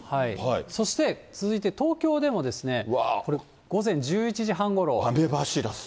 そして、続いて東京もですね、これ、午前１１時半ごろ。